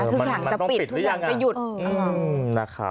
คือหลังจะปิดหลังจะหยุด